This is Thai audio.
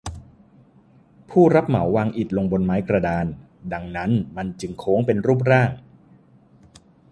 ผู้รับเหมาวางอิฐลงบนไม้กระดาน ดังนั้นมันจึงโค้งเป็นรูปร่าง